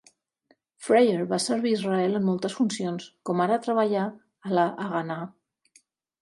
Freier va servir Israel en moltes funcions, com ara treballar a la Haganà.